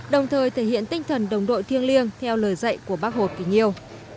đồng thời thể hiện tinh thần đồng đội thiêng liêng theo lời dạy của bác hột kỳ nhiêu